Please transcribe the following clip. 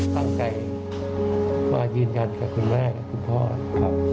ตั้งใจว่ายืนยันกับคุณแม่คุณพ่อ